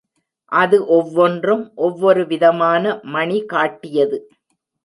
அது ஒவ்வொன்றும் ஒவ்வொரு விதமான மணி காட்டியது.